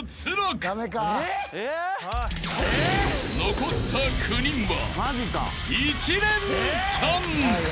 ［残った９人は］